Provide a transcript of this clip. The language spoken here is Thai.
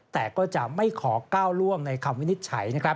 แต่ก็จะไม่ขอก้าวล่วงในคำวินิจฉัยนะครับ